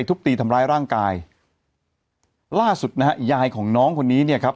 ทุบตีทำร้ายร่างกายล่าสุดนะฮะยายของน้องคนนี้เนี่ยครับ